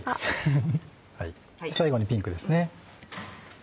最後にピンクですね。